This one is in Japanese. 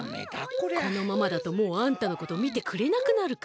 このままだともうあんたのことみてくれなくなるかも。